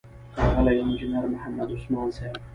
ښاغلی انجينر محمد عثمان صيب،